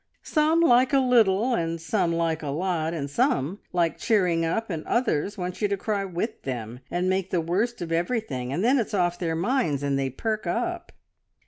Some like a little and some like a lot, and some like cheering up, and others want you to cry with them and make the worst of everything, and then it's off their minds and they perk up.